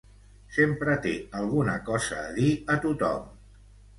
Sempre té alguna cosa a dir a tothom.